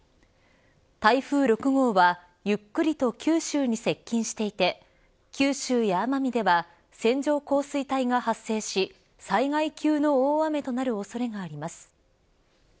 台風６号はゆっくりと九州に接近していて九州や奄美では線状降水帯が発生し災害級の大雨となる恐れがあります。